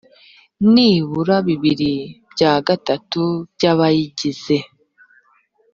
nibura bibiri bya gatatu by abayigize